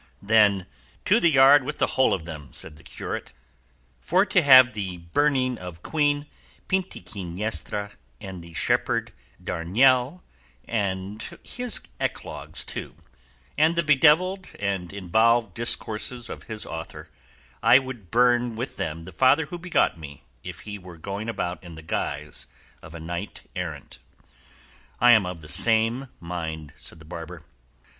"Then to the yard with the whole of them," said the curate; "for to have the burning of Queen Pintiquiniestra, and the shepherd Darinel and his eclogues, and the bedevilled and involved discourses of his author, I would burn with them the father who begot me if he were going about in the guise of a knight errant." "I am of the same mind," said the barber.